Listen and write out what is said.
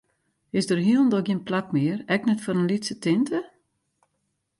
Is der hielendal gjin plak mear, ek net foar in lytse tinte?